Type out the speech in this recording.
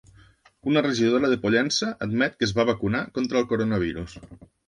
Una regidora de Pollença admet que es va vacunar contra el coronavirus.